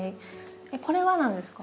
これは何ですか？